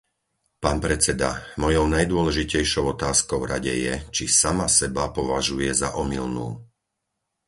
Pán predseda, mojou najdôležitejšou otázkou Rade je, či sama seba považuje za omylnú.